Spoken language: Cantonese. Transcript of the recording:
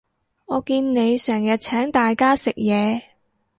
我見你成日請大家食嘢